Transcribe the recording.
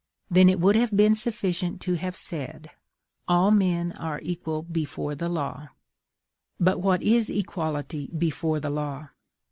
Then it would have been sufficient to have said: ALL MEN ARE EQUAL BEFORE THE LAW. But what is equality before the law?